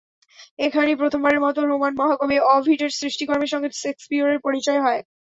এখানেই প্রথমবারের মতো রোমান মহাকবি ওভিডের সৃষ্টিকর্মের সঙ্গে শেক্সপিয়ারের পরিচয় হয়।